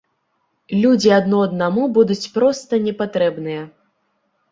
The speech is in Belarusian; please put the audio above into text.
Людзі адно аднаму будуць проста не патрэбныя.